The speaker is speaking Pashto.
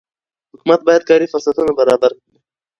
حکومت باید کاري فرصتونه برابر وکړي.